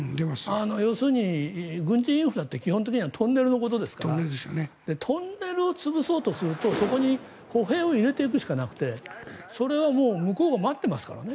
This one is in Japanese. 要するに軍事インフラって基本的にはトンネルのことですからトンネルを潰そうとするとそこに歩兵を入れていくしかなくてそれはもう向こうが待っていますからね。